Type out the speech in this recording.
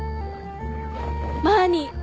マーニー！